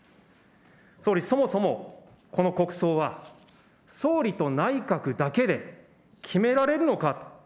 総理、そもそも、この国葬は、総理と内閣だけで決められるのか。